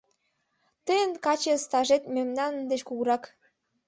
Тыйын каче стажет мемнан деч кугурак.